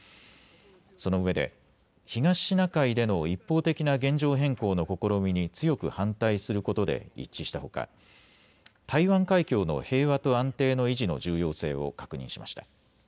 そのうえで東シナ海での一方的な現状変更の試みに強く反対することで一致したほか台湾海峡の平和と安定の維持の重要性を確認しました。